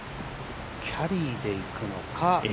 キャリーでいくのか。